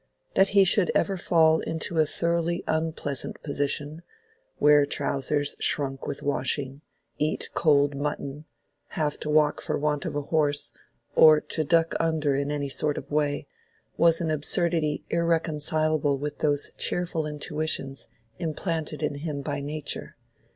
That he should ever fall into a thoroughly unpleasant position—wear trousers shrunk with washing, eat cold mutton, have to walk for want of a horse, or to "duck under" in any sort of way—was an absurdity irreconcilable with those cheerful intuitions implanted in him by nature.